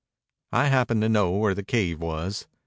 "I happened to know where the cave was."